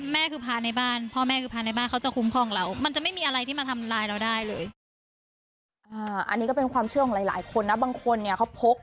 แม่คือพาในบ้านพ่อแม่คือพาในบ้านเขาจะคุ้มครองเรามันจะไม่มีอะไรที่มาทำร้ายเราได้เลย